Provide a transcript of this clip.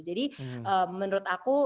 jadi menurut aku